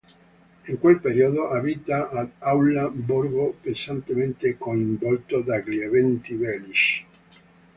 In quel periodo abita ad Aulla, borgo pesantemente coinvolto dagli eventi bellici.